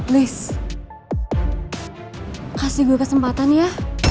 list kasih gue kesempatan ya